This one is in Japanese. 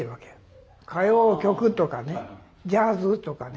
歌謡曲とかねジャズとかね。